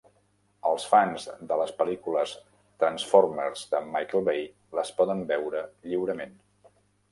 Els fans de les pel·lícules Transformers de Michael Bay les poden veure lliurement.